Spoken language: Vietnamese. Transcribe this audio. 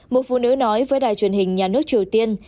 một phụ nữ nói với đài truyền hình nhà nước triều tiên